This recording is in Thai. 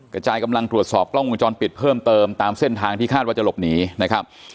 กระจายกำลังตรวจสอบกล้องวงจรปิดเพิ่มเติมตามเส้นทางที่คาดว่าจะหลบหนีนะครับ